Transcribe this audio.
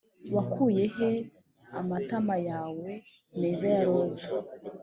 wakuye he amatama yawe meza ya roza?